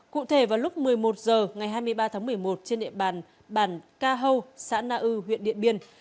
cụ thể vào lúc một mươi một h ngày hai mươi ba tháng một mươi một trên địa bàn ca hâu xã na ư huyện điện biên